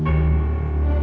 kamu betul mano